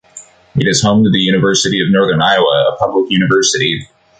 It is home to the University of Northern Iowa, a public university.